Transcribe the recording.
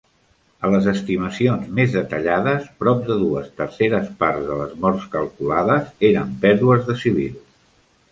A les estimacions més detallades, prop de dues terceres parts de les morts calculades eren pèrdues de civils.